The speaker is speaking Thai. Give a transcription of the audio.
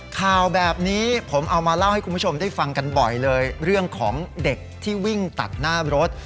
ข่าวแบบนี้ผมเอามาเล่าให้คุณผู้ชมได้ฟังกันบ่อยเลยเรื่องของเด็กที่วิ่งตัดหน้ารถ